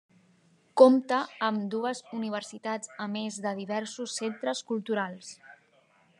Compta amb dues universitats a més de diversos centres culturals.